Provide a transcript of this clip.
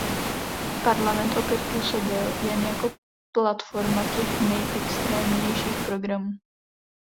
Parlament opět působil jen jako platforma těch nejextrémnějších programů.